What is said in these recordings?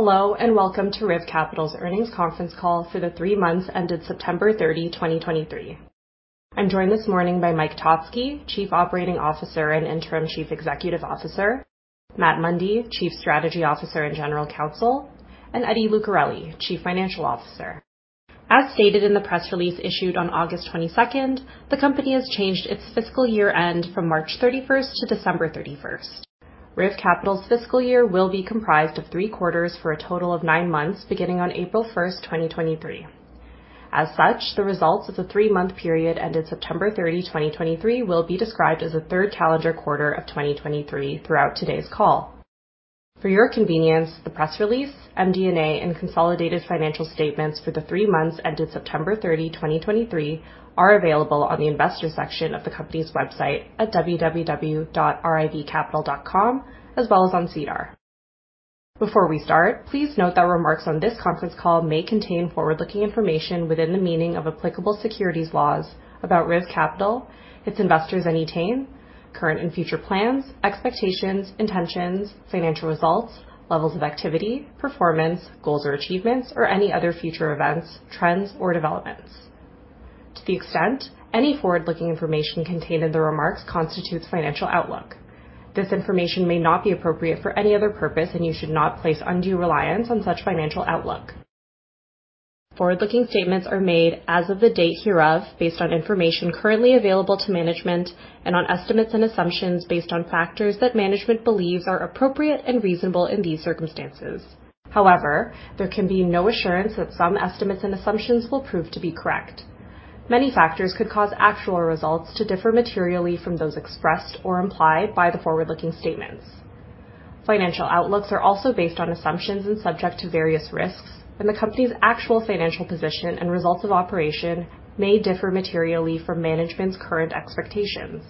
Hello, and welcome to RIV Capital's earnings conference call for the three months ended September 30, 2023. I'm joined this morning by Mike Totzke, Chief Operating Officer and Interim Chief Executive Officer, Matt Mundy, Chief Strategy Officer and General Counsel, and Eddie Lucarelli, Chief Financial Officer. As stated in the press release issued on August 22, the company has changed its fiscal year-end from March 31 to December 31. RIV Capital's fiscal year will be comprised of three quarters for a total of nine months, beginning on April 1, 2023. As such, the results of the three-month period ended September 30, 2023, will be described as the third calendar quarter of 2023 throughout today's call. For your convenience, the press release, MD&A, and consolidated financial statements for the three months ended September 30, 2023, are available on the investors section of the company's website at www.rivcapital.com, as well as on SEDAR. Before we start, please note that remarks on this conference call may contain forward-looking information within the meaning of applicable securities laws about RIV Capital, its investments and Etain, current and future plans, expectations, intentions, financial results, levels of activity, performance, goals or achievements, or any other future events, trends, or developments. To the extent any forward-looking information contained in the remarks constitutes financial outlook. This information may not be appropriate for any other purpose, and you should not place undue reliance on such financial outlook. Forward-looking statements are made as of the date hereof, based on information currently available to management and on estimates and assumptions based on factors that management believes are appropriate and reasonable in these circumstances. However, there can be no assurance that some estimates and assumptions will prove to be correct. Many factors could cause actual results to differ materially from those expressed or implied by the forward-looking statements. Financial outlooks are also based on assumptions and subject to various risks, and the company's actual financial position and results of operation may differ materially from management's current expectations.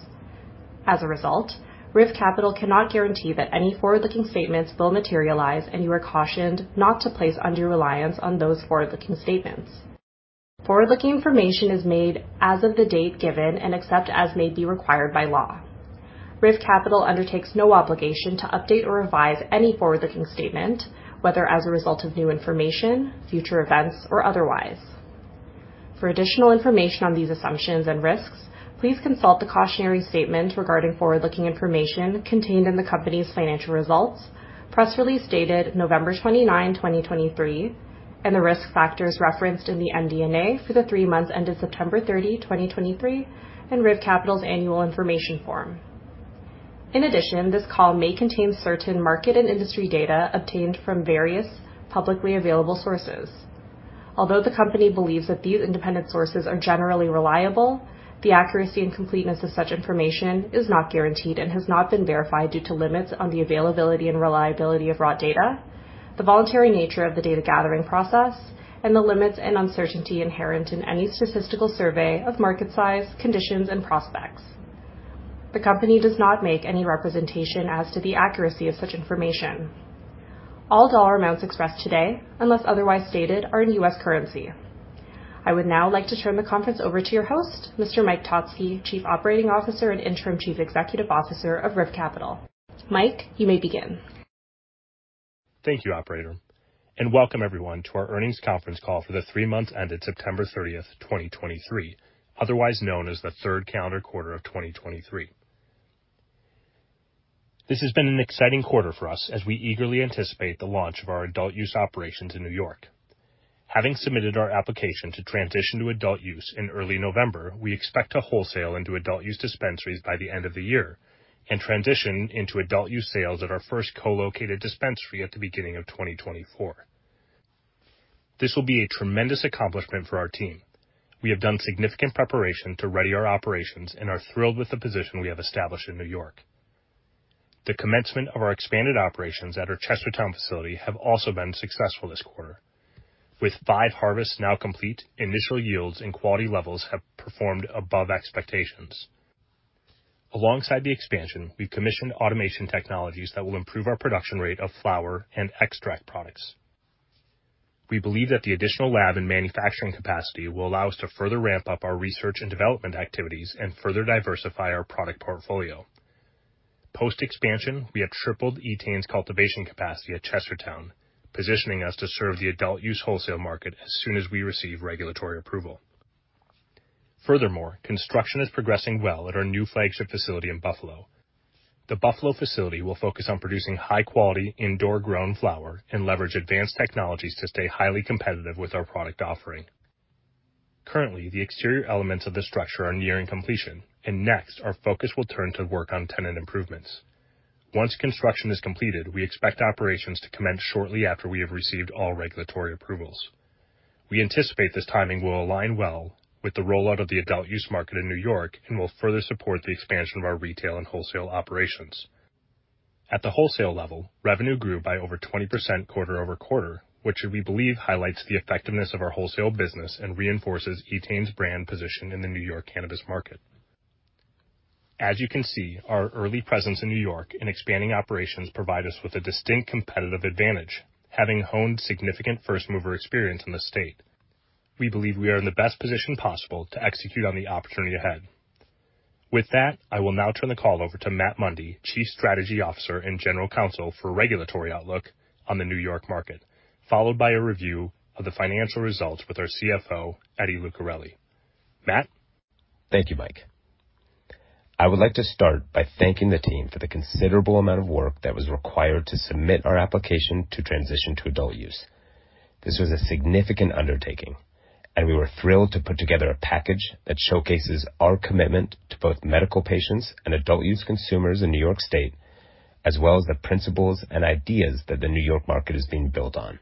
As a result, RIV Capital cannot guarantee that any forward-looking statements will materialize, and you are cautioned not to place undue reliance on those forward-looking statements. Forward-looking information is made as of the date given and except as may be required by law. RIV Capital undertakes no obligation to update or revise any forward-looking statement, whether as a result of new information, future events, or otherwise. For additional information on these assumptions and risks, please consult the cautionary statement regarding forward-looking information contained in the company's financial results, press release dated November 29, 2023, and the risk factors referenced in the MD&A for the three months ended September 30, 2023, in RIV Capital's Annual Information form. In addition, this call may contain certain market and industry data obtained from various publicly available sources. Although the company believes that these independent sources are generally reliable, the accuracy and completeness of such information is not guaranteed and has not been verified due to limits on the availability and reliability of raw data, the voluntary nature of the data gathering process, and the limits and uncertainty inherent in any statistical survey of market size, conditions, and prospects. The company does not make any representation as to the accuracy of such information. All dollar amounts expressed today, unless otherwise stated, are in U.S. currency. I would now like to turn the conference over to your host, Mr. Mike Totzke, Chief Operating Officer and Interim Chief Executive Officer of RIV Capital. Mike, you may begin. Thank you, operator, and welcome everyone to our earnings conference call for the three months ended September 30, 2023, otherwise known as the third calendar quarter of 2023. This has been an exciting quarter for us as we eagerly anticipate the launch of our adult use operations in New York. Having submitted our application to transition to adult use in early November, we expect to wholesale into adult use dispensaries by the end of the year and transition into adult use sales at our first co-located dispensary at the beginning of 2024. This will be a tremendous accomplishment for our team. We have done significant preparation to ready our operations and are thrilled with the position we have established in New York. The commencement of our expanded operations at our Chestertown facility have also been successful this quarter. With five harvests now complete, initial yields and quality levels have performed above expectations. Alongside the expansion, we've commissioned automation technologies that will improve our production rate of flower and extract products. We believe that the additional lab and manufacturing capacity will allow us to further ramp up our research and development activities and further diversify our product portfolio. Post-expansion, we have tripled Etain's cultivation capacity at Chestertown, positioning us to serve the adult-use wholesale market as soon as we receive regulatory approval. Furthermore, construction is progressing well at our new flagship facility in Buffalo. The Buffalo facility will focus on producing high-quality, indoor-grown flower and leverage advanced technologies to stay highly competitive with our product offering. Currently, the exterior elements of the structure are nearing completion, and next, our focus will turn to work on tenant improvements. Once construction is completed, we expect operations to commence shortly after we have received all regulatory approvals. We anticipate this timing will align well with the rollout of the adult-use market in New York and will further support the expansion of our retail and wholesale operations. At the wholesale level, revenue grew by over 20% quarter-over-quarter, which we believe highlights the effectiveness of our wholesale business and reinforces Etain's brand position in the New York cannabis market. As you can see, our early presence in New York and expanding operations provide us with a distinct competitive advantage, having honed significant first-mover experience in the state. We believe we are in the best position possible to execute on the opportunity ahead. With that, I will now turn the call over to Matt Mundy, Chief Strategy Officer and General Counsel, for regulatory outlook on the New York market, followed by a review of the financial results with our CFO, Eddie Lucarelli. Matt? Thank you, Mike. I would like to start by thanking the team for the considerable amount of work that was required to submit our application to transition to adult use. This was a significant undertaking, and we were thrilled to put together a package that showcases our commitment to both medical patients and adult use consumers in New York State, as well as the principles and ideas that the New York market is being built on.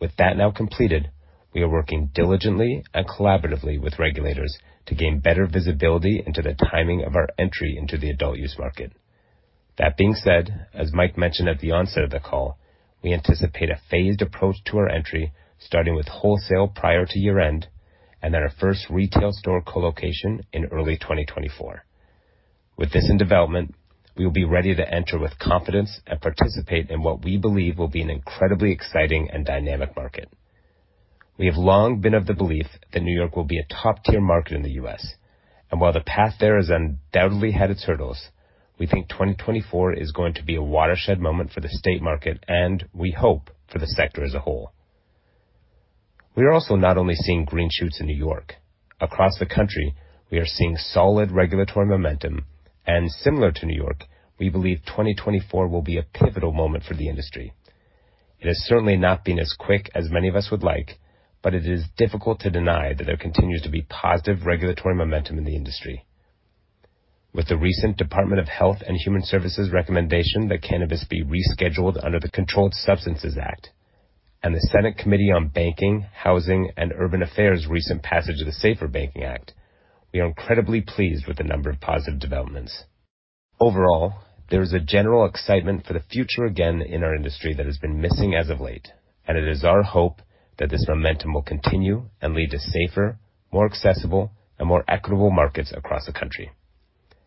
With that now completed, we are working diligently and collaboratively with regulators to gain better visibility into the timing of our entry into the adult use market. That being said, as Mike mentioned at the onset of the call, we anticipate a phased approach to our entry, starting with wholesale prior to year-end and then our first retail store co-location in early 2024. With this in development, we will be ready to enter with confidence and participate in what we believe will be an incredibly exciting and dynamic market. We have long been of the belief that New York will be a top-tier market in the U.S., and while the path there has undoubtedly had its hurdles, we think 2024 is going to be a watershed moment for the state market, and we hope for the sector as a whole. We are also not only seeing green shoots in New York. Across the country, we are seeing solid regulatory momentum, and similar to New York, we believe 2024 will be a pivotal moment for the industry. It has certainly not been as quick as many of us would like, but it is difficult to deny that there continues to be positive regulatory momentum in the industry. With the recent Department of Health and Human Services recommendation that cannabis be rescheduled under the Controlled Substances Act, and the Senate Committee on Banking, Housing, and Urban Affairs' recent passage of the SAFER Banking Act, we are incredibly pleased with the number of positive developments. Overall, there is a general excitement for the future again in our industry that has been missing as of late, and it is our hope that this momentum will continue and lead to safer, more accessible, and more equitable markets across the country.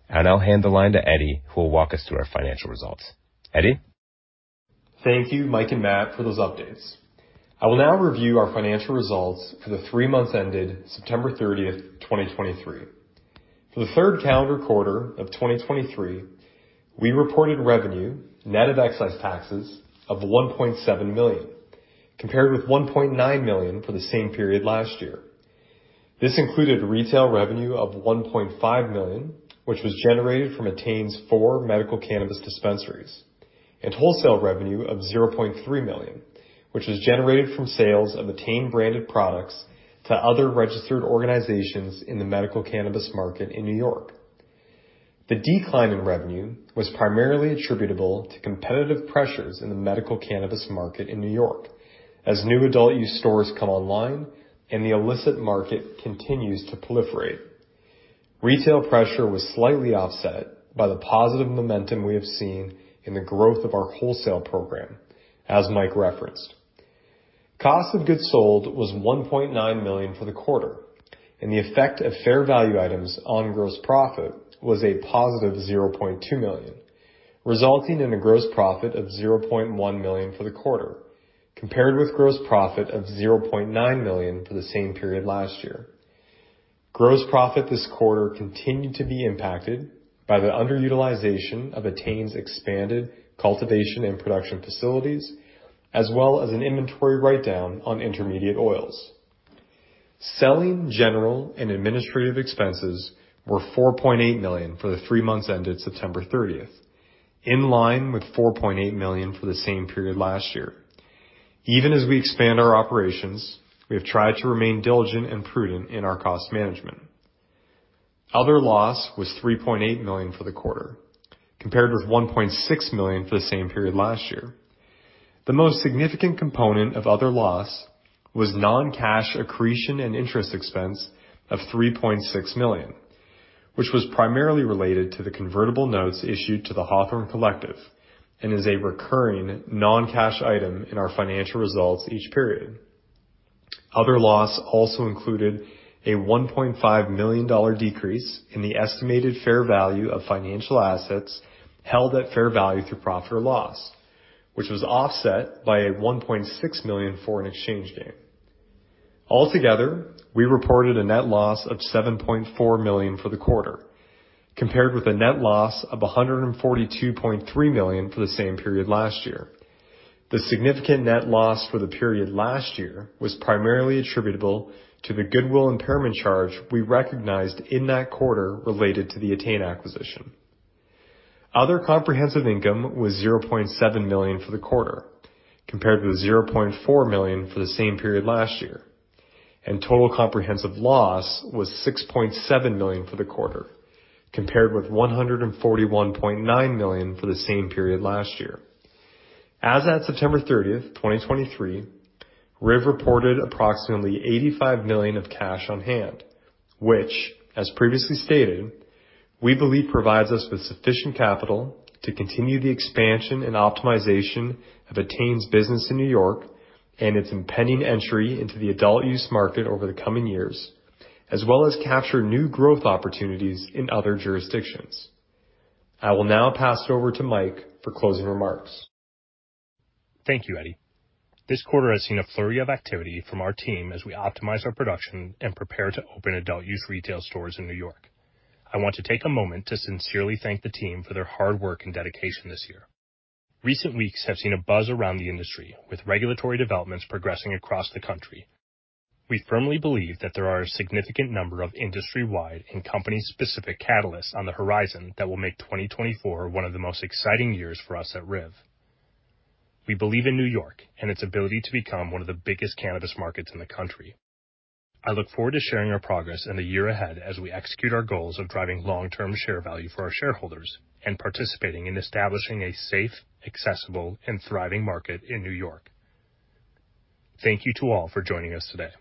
I'll now hand the line to Eddie, who will walk us through our financial results. Eddie? Thank you, Mike and Matt, for those updates. I will now review our financial results for the three months ended September 30, 2023. For the third calendar quarter of 2023, we reported revenue net of excise taxes of $1.7 million, compared with $1.9 million for the same period last year. This included retail revenue of $1.5 million, which was generated from Etain's four medical cannabis dispensaries, and wholesale revenue of $0.3 million, which was generated from sales of Etain-branded products to other registered organizations in the medical cannabis market in New York. The decline in revenue was primarily attributable to competitive pressures in the medical cannabis market in New York, as new adult-use stores come online and the illicit market continues to proliferate. Retail pressure was slightly offset by the positive momentum we have seen in the growth of our wholesale program, as Mike referenced. Cost of goods sold was $1.9 million for the quarter, and the effect of fair value items on gross profit was a +$0.2 million, resulting in a gross profit of $0.1 million for the quarter, compared with gross profit of $0.9 million for the same period last year. Gross profit this quarter continued to be impacted by the underutilization of Etain's expanded cultivation and production facilities, as well as an inventory write-down on intermediate oils. Selling, general, and administrative expenses were $4.8 million for the three months ended September 30th, in line with $4.8 million for the same period last year. Even as we expand our operations, we have tried to remain diligent and prudent in our cost management. Other loss was $3.8 million for the quarter, compared with $1.6 million for the same period last year. The most significant component of other loss was non-cash accretion and interest expense of $3.6 million, which was primarily related to the convertible notes issued to The Hawthorne Collective and is a recurring non-cash item in our financial results each period. Other loss also included a $1.5 million decrease in the estimated fair value of financial assets held at fair value through profit or loss, which was offset by a $1.6 million foreign exchange gain. Altogether, we reported a net loss of $7.4 million for the quarter, compared with a net loss of $142.3 million for the same period last year. The significant net loss for the period last year was primarily attributable to the goodwill impairment charge we recognized in that quarter related to the Etain acquisition. Other comprehensive income was $0.7 million for the quarter, compared with $0.4 million for the same period last year, and total comprehensive loss was $6.7 million for the quarter, compared with $141.9 million for the same period last year. As at September 30, 2023, RIV reported approximately $85 million of cash on hand, which, as previously stated, we believe provides us with sufficient capital to continue the expansion and optimization of Etain's business in New York and its impending entry into the adult use market over the coming years, as well as capture new growth opportunities in other jurisdictions. I will now pass it over to Mike for closing remarks. Thank you, Eddie. This quarter has seen a flurry of activity from our team as we optimize our production and prepare to open adult use retail stores in New York. I want to take a moment to sincerely thank the team for their hard work and dedication this year. Recent weeks have seen a buzz around the industry, with regulatory developments progressing across the country. We firmly believe that there are a significant number of industry-wide and company-specific catalysts on the horizon that will make 2024 one of the most exciting years for us at RIV. We believe in New York and its ability to become one of the biggest cannabis markets in the country. I look forward to sharing our progress in the year ahead as we execute our goals of driving long-term share value for our shareholders and participating in establishing a safe, accessible, and thriving market in New York. Thank you to all for joining us today.